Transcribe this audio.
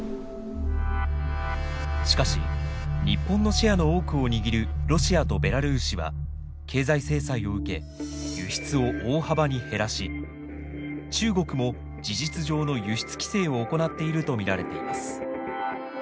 しかし日本のシェアの多くを握るロシアとベラルーシは経済制裁を受け輸出を大幅に減らし中国も事実上の輸出規制を行っていると見られています。